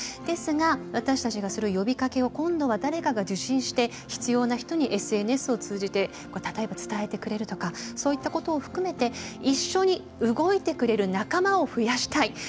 ですが私たちがする呼びかけを今度は誰かが受信して必要な人にＳＮＳを通じて例えば伝えてくれるとかそういったことを含めて一緒に動いてくれる仲間を増やしたい。